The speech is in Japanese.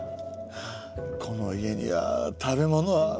この家には食べ物はもう何もない。